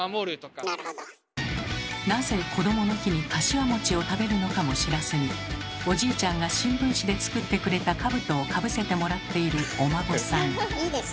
なぜこどもの日にかしわを食べるのかも知らずにおじいちゃんが新聞紙で作ってくれたかぶとをかぶせてもらっているお孫さん。